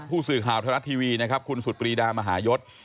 ผู้สื่อข่าวไทยรัฐทีวีนะครับคุณสุดปรีดามหายศ